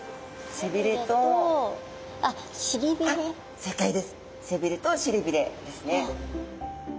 背びれとしりびれですね。